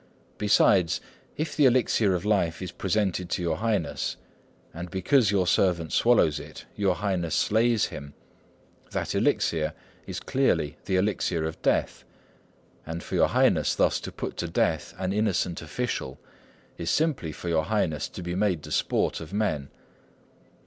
Besides, if the elixir of life is presented to your Highness, and because your servant swallows it, your Highness slays him, that elixir is clearly the elixir of death; and for your Highness thus to put to death an innocent official is simply for your Highness to be made the sport of men.'